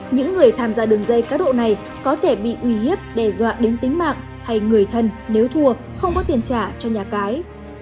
những người tham gia đường dây cá độ này có thể bị uy hiếp đe dọa đến tính mạng hay người thân nếu thua không có tiền trả cho nhà cái